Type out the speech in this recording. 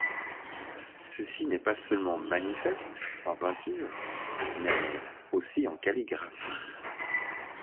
Ceci n'est pas seulement manifeste en peinture, mais aussi en calligraphie.